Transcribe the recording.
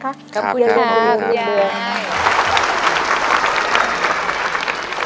ขอให้อย่าเลินอย่าเลิน